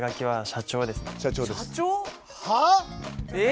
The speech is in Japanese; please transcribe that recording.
は？